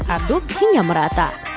aduk hingga merata